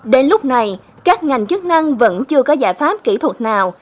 đến lúc này các ngành chức năng vẫn chưa có giải pháp kỹ thuật nào